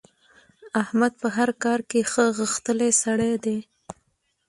احمد په هر کار کې ښه غښتلی سړی دی.